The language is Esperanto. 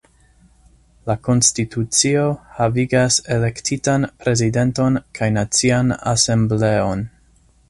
La konstitucio havigas elektitan Prezidenton kaj Nacian Asembleon.